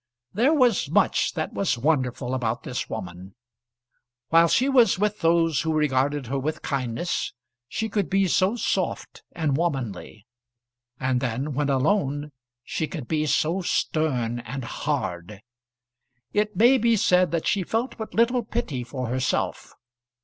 There was much that was wonderful about this woman. While she was with those who regarded her with kindness she could be so soft and womanly; and then, when alone, she could be so stern and hard! And it may be said that she felt but little pity for herself.